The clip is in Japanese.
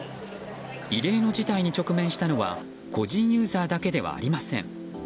異例の事態に直面したのは個人ユーザーだけではありません。